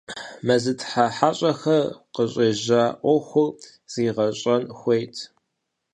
Мэзытхьэ хьэщӀэхэр къыщӀежьа Ӏуэхур зригъэщӀэн хуейт.